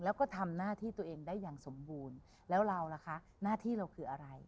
มันออกมาสมบูรณ์แบบที่สุด